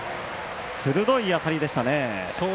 鋭い当たりでしたね。